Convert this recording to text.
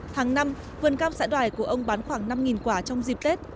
tháng năm vườn cam xã đoài của ông bán khoảng năm quả trong dịp tết